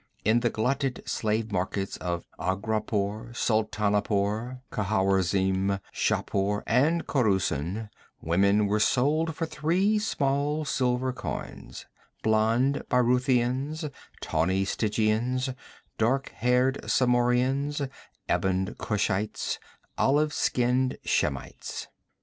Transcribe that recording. In the glutted slave markets of Aghrapur, Sultanapur, Khawarizm, Shahpur and Khorusun, women were sold for three small silver coins blond Brythunians, tawny Stygians, dark haired Zamorians, ebon Kushites, olive skinned Shemites.